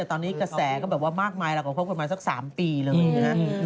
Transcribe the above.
แต่ตอนนี้กระแสก็มากมายแล้วก็เข้ากันมาสัก๓ปีเลยแหละ